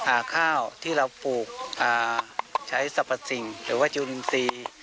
อ่าข้าวที่เราปลูกอ่าใช้สรรพสิงหรือว่าจิลินซี